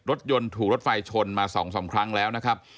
รถยนต์ถูกรถไฟชนมา๒๓ครั้งแล้วนะครับ